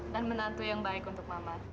dan menantu yang baik untuk mama